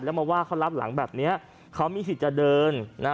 แล้วมาว่าเขารับหลังแบบนี้เขามีสิทธิ์จะเดินนะ